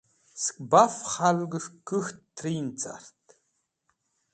Sẽk baf k̃halgẽs̃h kuk̃ht trin carẽn.